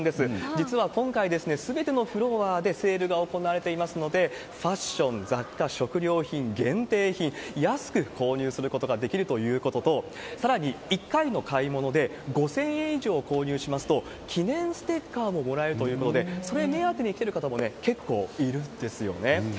実は今回、すべてのフロアでセールが行われていますので、ファッション、雑貨、食料品、限定品、安く購入することができるということと、さらに１回の買い物で５０００円以上購入しますと、記念ステッカーももらえるということで、それ目当てに来てる方も結構いるんですよね。